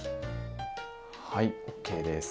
はいＯＫです。